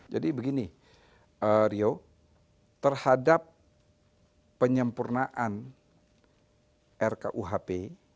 jadi begini rio terhadap penyempurnaan rkuhp